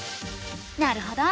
なるほど。